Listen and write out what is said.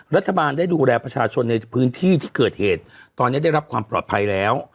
รัฐบาลได้ดูแลประชาชนในพื้นที่ที่เกิดเหตุตอนนี้ได้รับความปลอดภัยแล้ว